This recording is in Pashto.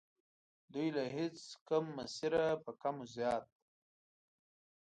دوی له هیچ کوم مسیره په کم و زیات.